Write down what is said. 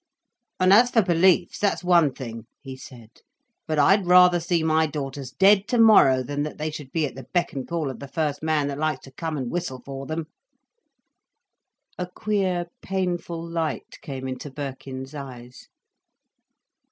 "And as for beliefs, that's one thing," he said. "But I'd rather see my daughters dead tomorrow than that they should be at the beck and call of the first man that likes to come and whistle for them." A queer painful light came into Birkin's eyes.